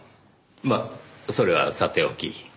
まあそれはさておき。